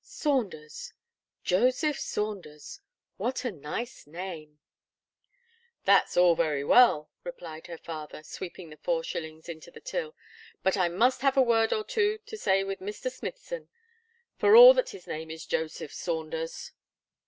Saunders Joseph Saunders! what a nice name." "That's all very well," replied her father, sweeping the four shillings into the till, "but I must have a word or two to say with Mr. Smithson for all that his name is Joseph Saunders."